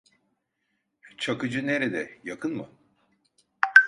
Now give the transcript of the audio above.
Çakıcı nerede, yakın mı?